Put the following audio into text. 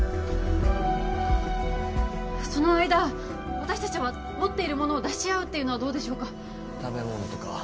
その間私達は持っているものを出し合うっていうのはどうでしょうか食べ物とか？